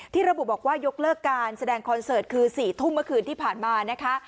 ระบุบอกว่ายกเลิกการแสดงคอนเสิร์ตคือ๔ทุ่มเมื่อคืนที่ผ่านมานะคะ